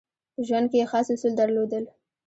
په ژوند کې یې خاص اصول درلودل.